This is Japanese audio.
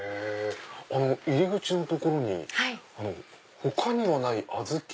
入り口の所に他にはないアズキ